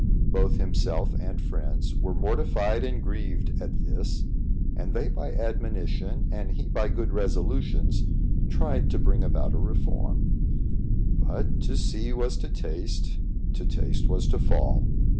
Both himself and friends were mortified and grieved at this; and they, by admonition, and he, by good resolutions, tried to bring about a reform; but to see was to taste, to taste was to fall.